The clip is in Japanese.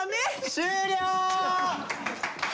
終了！